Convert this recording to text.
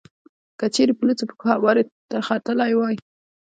که چېرې په لوڅو پښو هوارې ته ختلی وای.